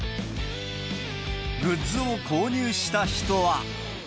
グッズを購入した人は。